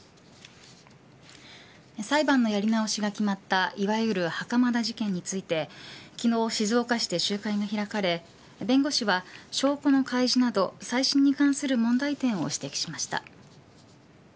裁判のやり直しが決まったいわゆる袴田事件について昨日静岡市で集会が開かれ弁護士は、証拠の開示など再審に関する問題点を指摘しました。